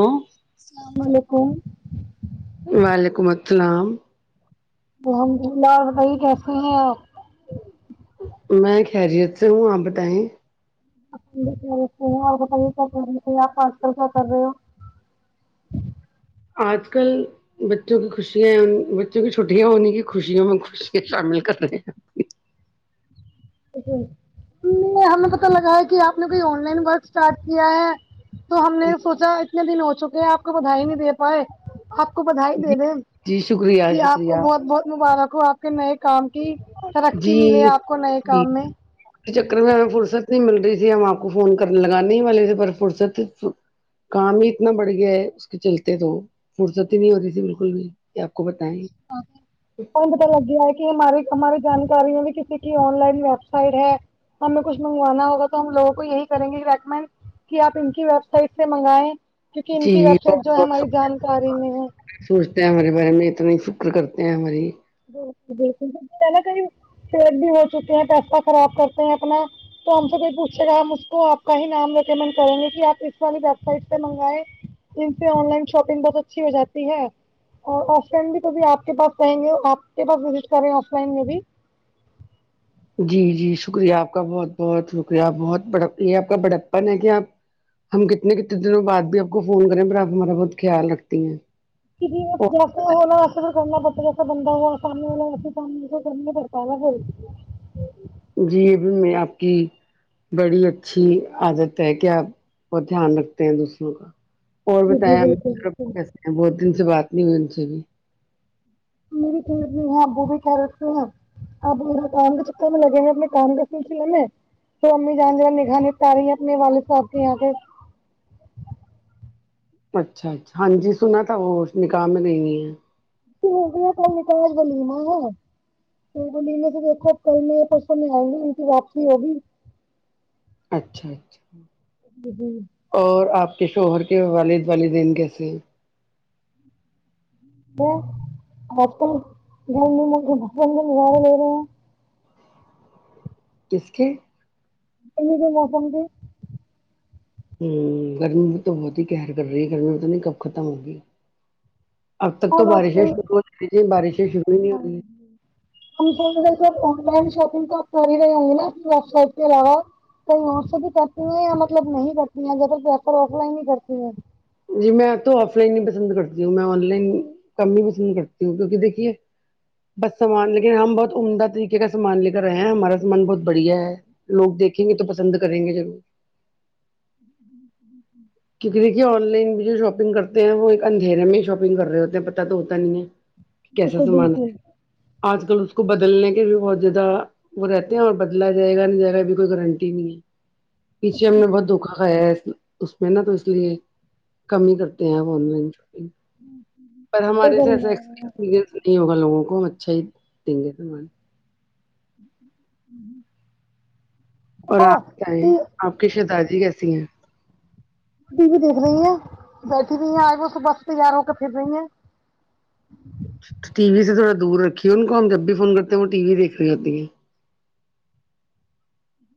ہ [unintelligible] [unintelligible] السلام علیکم وعلیکم التلام الحمد للہ بتائی کیسے ہیں آپ [inaudible] میں خیریت سے ہوں آپ بتائیں میں بھی خیریت سے ہوں اور بتایے کیا کر رہے تھے آپ آج کل کیا کر رہے ہو آج کل بچوں کی خوشیاں ہیں بچوں کی چھٹٹییاں ہونے کی خوشیوں میں خوشیاں شامل کر رہے ہیں ہمیں پتا لگا ہے کہ آپ نے کوئی آن لائن ورک اسٹارٹ کیا ہے تو ہم نے سوچا اتنے دن ہو چکے ہیں آپ کو بدھائی ہی نہیں دے پائے آپ کو بھائی دے جی دیں جی شکریہ کہ آپ کو شکریہ بہت بہت مبارک ہو آپ کے نئے کام کی ترقی جی ملیے آپ کو نئے جی کام میں اس چکر میں ہمیں فرصت نہیں مل رہی تھی ہم آپ کو فون کرنے لگا نہیں والے تھے پر فرصت کام ہی اتنا بڑھ گیا ہے اس کے چلتے تو فرصتی ہی نہیں ہو رہی تھی بالکل بھی یہ آپ کو بتائیں [inaudible] ہمیں پتا لگ گیا ہے کہ ہماری ہماری جانکاریوں بھی کسی کی آن لائن ویب سائٹ ہے ہمیں کچھ منگوانا ہوگا تو ہم لووں کو یہی کریں گے کہ ریکمینڈ کہ آپ ان کی ویب سائٹ سے منگائ کیوںکہ ان جی کی ویب سائٹ جو بہت ہے بہت ہماری شکریہ جانکاری میں ہے سوچتے ہیں ہمارے بارے میں اتنی فکر کرتے ہیں ہماری ب بالکل نا کہیں پیٹ بھی ہو چکے ہیں پیسہ خراب کرتے ہیں اپنا تو ہم سےب پوچھے گا ہم اس کو آ کا ہی نام ریکمنڈ کریں گے کہ آپ اس والی ویب سائٹ پہ منگائے ان سے آن لائن شاپنگ بہت اچھی ہو جاتی ہے اور آف لائن بھی توھی آپ کے پاس رہیں گے آپ کے پاس وزٹ کر رہے ہیں آف لائن میں بھی جی جی شکریہ آپ کا بہت بہت شکریہ بہت بڑ یہ آپ کا بڑپن ہے کہ آپ ہم کتنے کتنے دنوں بعد بھی آپ کو فون کریں پر آپ ہمارا بہت خیال رکھتی ہیں کہ ج اور جیسا ہوا ایسا کرنا پڑتا جیسا بندہ ہو آسامنے والاسے کرنے پڑتا کنا بولتی جی ابھی میں آپ کی بڑی اچھی عادت ہے کیا آپ وہت دھیان رکھتے ہیں دوسروں کا اور جی جی بتایا بالکل بالکل کیسے ہیں بہت دن سے بات نہیں ہوئی ان سے بھی میری پڑ بھی ہے ابو بھی کہہ رکتے ہیں آپا کام کے چککا میں لگے ہیں اپنے کام کے سلسلے میں تو امی جان جان نگانانی پای ہیں اپنے والد صاحب کے یہاں پ سے اچھا اچھا ہاں ج سنا تھا وہ نکام گئیئی ہے ت م ممی پ بلیینا ت کو میں سے دیکھو کل میں پرسوں میں آئیں گا ان کی واپسی ہوگی اچھا اچھا جی ہوں اور آپ کے شوہر کے والد والدین کیسے آل جلی م ب گزارے لے رہے ہیں کس کی ج آسن گ ہوں گرمی تو بہت ہی قہر کر رہی ہے گرمی میں تو نہیں کپ ختم ہو گی اب تک تو ہم آج بارشیں کل شروع ہو چی تیں بارشیں شروع ہی نہیں ہو ہاں رہی ہم سمج آن لائن شاپنگ تو کر رہ ہ نا وب سائٹ پ آات کہیں وہاں سے بھی کرتی ہیں یا مطلب نہیں کرتی ہیں ا تل پیپر آف لائن ہی کرتی ہیں جی میں تو آف لائن ہی پسند کرتی ہوں میں آن لائن کم ہی پسند کرتی ہوں کیوںکہ دیکھیے بس سامان لیکن ہم بہت عمدہ طریقے کا سامان لے کر رہے ہیں ہمارا سامان بہت بڑھیا ہے لوگ دیکھیں گے تو پسند کریں گے ضرور [inaudible] کیونک دیکھیے آن لائن بھی جو شاپنگ کرتے ہیں وہ ایک اندھیرے میں ہی شاپنگ کر رہے ہوتے ہیں پتتا تو ہوتا نہیں ہے کیسا بالکل سمانا ہے آج کل اس کو بدلنے کے بھی بہت زیادہ وہ رہتے ہیں اور بدلا جائے گا نہ جائے گا اب کوئی گارنٹی نہیں ہے پیھے ہم نے بہت دھوکا گا ہے اس میں نا تو اس لیے کم ہی کرتے ہیں آپ آن لائن شاپنگ پر ہمارے جیسا بالکل ایکسپسپریئنس نہیں ہوگا لوگوں کو ہم اچھا ہی دیں گے سامان اور ہاں آپ کیا ہے ٹی آپ کی شہزادی کیسی ہیں ٹی وی دیکھ رہی ہیں بیٹھی رہی ہیں آج وہ صبح سے تیار ہو کر پھر رہی ہیں تو ٹی وی سے تھوڑا دور رکھیے ان کو ہم جب بھی فون کرتے ہیں وہ ٹی وی دیکھ رہی ہوتی ہے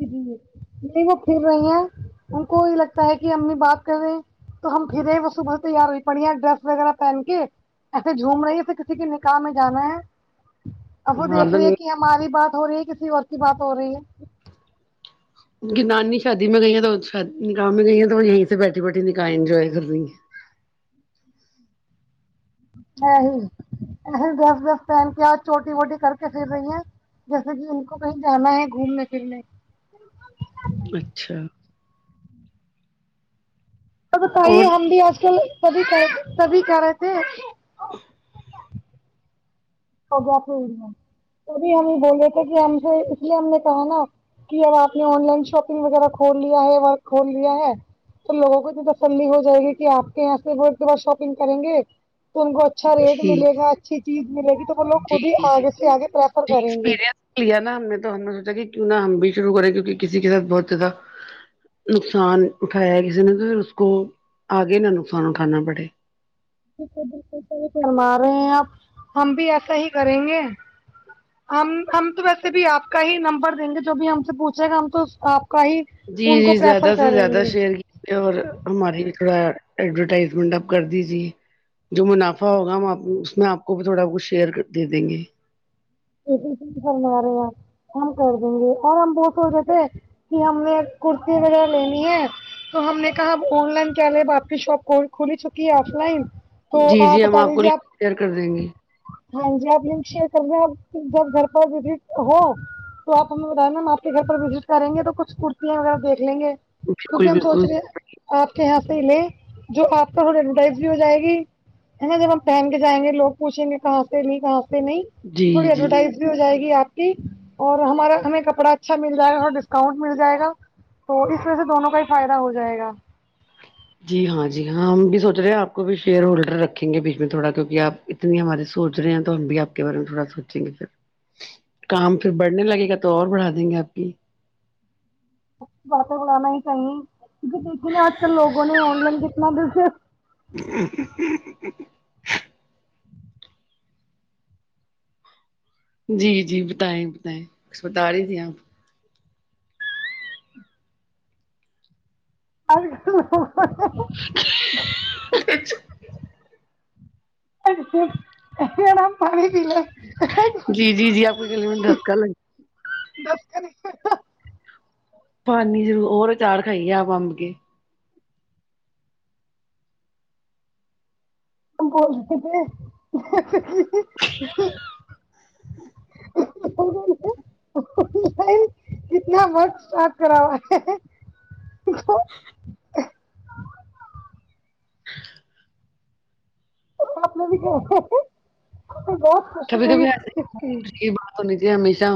تین [inaudible] نہیں وہ پھر رہی ہیں ان کو یہ لگتا ہے کہ امی بات کرے تو ہم پھرے ہیں وہ صبح تیار ہوئی پڑی ہے ڈریس وغیرہ پہن کے ایسے جھوم رہی ہے جیسے کسی کے نکاح میں جانا ہے اب وہ ہاں دیکھ تو رہی ہے کہ ہماری بات ہو رہی ہے کسی اور کی بات ہو رہی ہے نانی شادی میں گئی ہے تو نکاح میں گئی ہے تو یہیں سے بیٹھی بیٹھی نکاح انجوائے کر رہی ہے ای ہی ای دس دس پہن کے آج چوٹی ووٹی کر کے پھر رہی ہیں جیسے کہ ان کو کہیں جانا ہے گھومنے پھرنے اچھا تو بتائیے اور ہم بھی آج کل سبھی سبھی کہ رہے تھے ہو گیا پھر میں تبھی ہم یہ بولے تھے کہ ہم سے اس لیے ہم نے کہا نا کہ اب آپ نے آن لائن شاپنگ وغیرہ کھول لیا ہے ورک کھول لیا ہے تو لوگوں کو اتنی تسلی ہو جائے گی کہ آپ کے یہاں سے وہ ایک بار شاپنگ کریں گے تو ان کو اچھا ریٹ ٹھیک ملے گا اچھی چیز ملے گی تو وہ لوگ جی خود ہی جی آگے سے آگے پریفر کریں گے ایکسپیرئنس لیا نا ہم نے تو ہم نے سوچا کہ کیوں نا ہم بھی شروع کریں کیونکہ کسی کے ساتھ بہت زیادہ نقصان اٹھایا ہے کسی نے تو پھر اس کو آگے نہ نقصان اٹھانا پڑے ہم آ رہے ہیں آپ ہم بھی ایسا ہی کریں گے ہم ہم تو ویسے بھی آپ کا ہی نمبر دیں گے جو بھی ہم سے پوچھے گا ہم تو آپ کا ہی جی ان جی کو پریفر زیادہ سے کریں زیادہ گے شیئر کیا اور ہماری تھوڑا ایڈورٹائزمنٹ اب کر دیجیے جو منافع ہوگا ہم آپ اس میں آپ کو بھی تھوڑا کچھ شیئر دے دیں گے اسی سے فرما رہے آپ [inaudible] ہم کر دیں گے اور ہم بہت ہو رہے تھے کہ ہم نے کرتی وغیرہ لینی ہے تو ہم نے کہا اب آن لائن کیا لے اب آپ کی شاپ کھل چکی ہے آف لائن تو جی آپ جی ہم بتا کو دیجیے آپ شیئر کر دیں گے ہاں جی آپ لنک شیئر کر رہے آپ جب گھر پہ وزٹ ہو تو آپ ہمیں بتایے نا ہم آپ کے گھر پر وزٹ کریں گے تو کچھ کرتیاں وغیرہ دیکھ لیں گے کیونکہ بالکل ہم سوچ بالکل رہے ہیں آپ کے یہاں سے ہی لے جو آپ کا تھوڑا ایڈورٹائز بھی ہو جائے گی جب ہم پہن کے جائیں گے لوگوچھیں گے کہاں سے لی نہیں کہاں سے نہیں جی تھوڑی جی ایڈورٹائز بھی ہو جائے گی آپ کی اور ہمارا ہمیں کپڑا اچھا مل جائے گا اور ڈسکاؤنٹ مل جائے گا تو اس وجہ سے دونوں کا ہی فائدہ ہو جائے گا جی ہاں جی ہاں ہم بھی سوچ رہے آ پکو بھی شیئر ہولڈر رکھیں گے بیچ میں تھوڑا کیونکہ آپ اتنی ہماری سوچ رہے ہیں تو ہم بھی آپ کے بارے میں تھوڑا سوچیں گے پھر کام پھر بڑھنے لگے گا تو اور بڑھا دیں گے آپ کی اچ باتیں بلانا ہی چاہییں کیونکہ دیکھیے آج کل لوگوں نے آن لائن کتنا دل سے [inaudible] ا [inaudible] جی جی بتائیں بتائیں کچھ بتا رہی تھی آپ ا [unintelligible] نا پانیل [inaudible] جی جی جی آپ کی گلی میں دھسکا لگ دس تاری [inaudible] پانیر اور چاڑ کائیے آپ اب کے [unintelligible] پش [inaudible] [unintelligible] بھائی کتنا ورک اسٹارٹ کراو ہوا ہے آپ نے بھی کہ بہت خوشی ہوئی اس کی تو جی ہمیشہ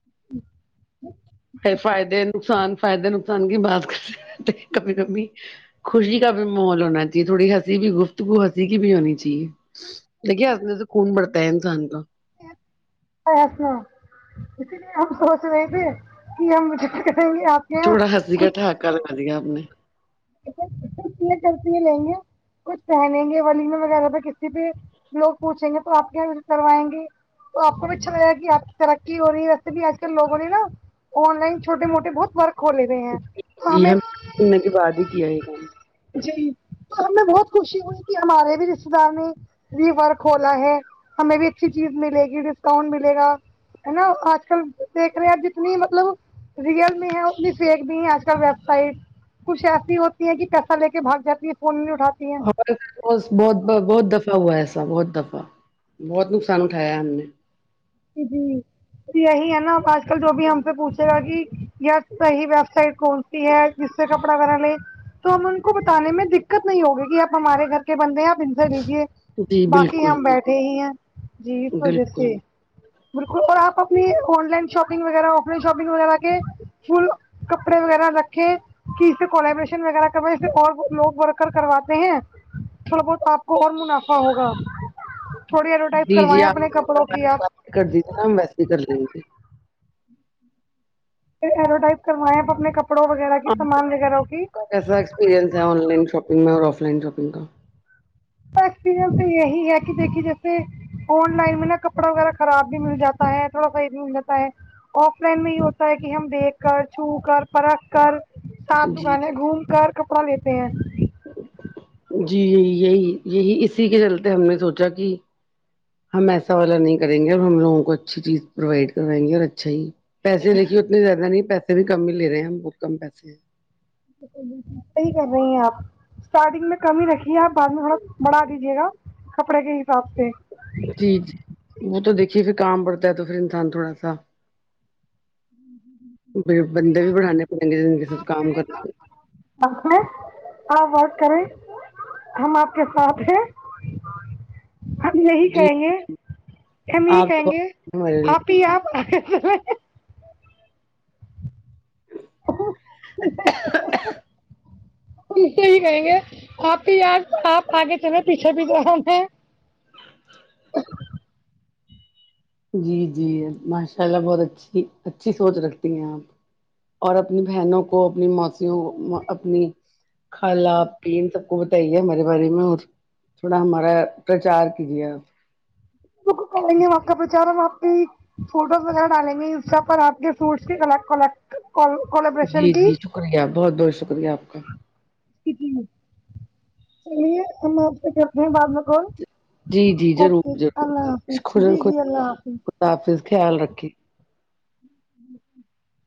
جچ [unintelligible] فائدے نقصان فائدے نقصان کی بات کرہے تھے کبھی کبھی خوشی کا بھی ماحول ہونا چاہیے تھوڑی ہنسی بھی گفتگو ہنسی کی بھی ہونی چاہیے دیکھیے اپنے سے خون بڑتا ہے انسان کا اچ سنا [unintelligible] اسی لیے ہم سونچ رہے تھے کہ ہم جتنے آپ کے یہاں چھوڑا ہنسی کا کچھ ٹاک کروا دیا اپ نے کرتی لیں گے کچھ پہنیں گے ولیمے وغیرہ پہ کسی پہ لوگ پوچھیں گے تو آپ کیا کروائیں گے تو آپ کو بھی اچھا لگا کہ آپ کی ترقی ہو رہی ہے ویسے بھی آج کل لوگوں نے نا آن لائن چھوٹے موٹے بہت ورک ہو لے رہے ہیں تو ہمیں سنے کے بعد ہی کیا یہ گا جی تو ہمیں بہت خوشی ہوئی کہ ہمارے بھی رشتے دار نے بھی ورک کھولا ہے ہمیں بھی اچھی چیز ملے گی ڈسکاؤنٹ ملے گا ہے نا آج کل دیکھ رہے ہیں آپ جتنی مطلب ریئل میں ہے اتنی فیک بھی ہے آج کل ویب سائٹ کچھ ایسی ہوتی ہے کہ لے کے باگ جاتی ہے فون نہیں اںٹھاتی ہاں [inaudible] بہت بہت دفعہ ہوا ایسا بہت دفعہ بہت نقصان اٹھایا ہم نے جی تو یہی ہے نا آج کل جو بھی ہم سے پوچھے گا کہ یس صحیح ویب سائٹ کون سی ہے جس سے کپڑا بے تو ہم ان کو بتانے میں دقت نہیں ہوگی کہ آپ ہمارے گھر کے بندے ہیں آپ لیجے جی باقی بالکل ہم بالکل بیٹھے ہی ہیں جی اس وجہ بالکل سے بالکل اور آپ اپنی آن لائن شاپنگ وغیرہ آف لائن شاپنگ وغیرہ کے فل کپڑے وغیرہ رکھے کہ اس سے کولیبریشن وغیرہ کرو اسے اور لوگ ورکر کرواتے ہیں تھوڑا بہت آپ اور منافع ہوگا تھوڑی ایڈورٹائز جی جی کروائے اپنے آپ کپڑوں کی آپ کر دی ت کام ویسے ہی کر دین گ تھ [unintelligible] ایڈورٹائز کروائیں آپ اپنے کپڑوں وغیرہ کی آپ سامان وغیرہ کی کا کیسا ایکسپیریئنس ہے آن لائن شاپنگ میں اور آف لائن شاپنگ کا ایکسپیرنس تو یہی ہے کہ دیکھیے جیسے آن لائن میں نا کپڑا وغیرہ خراب بھی مل جاتا ہے تھوڑا صحیح بھی مل جاتا ہے آف لائن میں ہی ہوتا ہے کہ ہم دیکھ کر چھو کر پرکھ کر سات جی دکانیں گھوم کر کپڑا لیتے ہیں جی یہی یہی یہی اسی کے چلتے ہم نے سونچا کہ ہم ایسا والا نہیں کریں گے اور ہم لوگوں کو اچھی چیز پرووائڈ کروائیں گے اور اچھا ہی پیسے دیکھیے اتنے زیادہ نہیں پیسے بھی کم ہی لے رہے ہیں ہم بہت کم پیسے ہیں صحیح کر رہی ہیں آپ اسٹارٹنگ میں کم ہی رکھیے آپ بعد میں تھوڑا بڑھا دیجیے گا کپڑے کے حساب سے جی ج وہ تو دیکھیے پھر کام پڑتا ہے تو پھر انسان تھوڑا سا بندے بھی بڑانے پڑینگے ساتھ کام کر [unintelligible] ہاں وورک کریں [unintelligible] [unintelligible] ہم آپ کے ساتھ ہیں ہم یہی جی کہیں گے ہم یہی آپ تو کہیں گے بہت ہمارے آپ لیے ہی آپ [inaudible] [inaudible] سے ہی رہیں گے آپ کی یاار آپ آگے چلیں پیچھے بھی گر ہم ہیں [unintelligible] جی جی ماشاء اللہ بہت اچھی اچھی سوچ رکھتی ہیں آپ اور اپنی بہنوں کو اپنی موسیوں اپنی خالہ پین سب کو کہیے ہمارے بارے میں اور تھوڑا ہمارا پرچار کیجیے آپ کریں گے آپ کا پرچار ہم آپ پہ [inaudible] فوٹوز وغیرہ ڈالیں گے اس پر آپ کے فوٹس کی کر کگ [inaudible] ک ک [inaudible] جی جی شکریہ بہت بہت شکریہ آپ کا کت م [unintelligible] [unintelligible] چلیے ہم آپ سے کرتے ہیں بعد میں کال جی جی اوکے ضرور ضرور اللہ حافظ جی جی اللہ حافظ سفیز خیال رکے [unintelligible] [inaudible] جی [unintelligible] [unintelligible]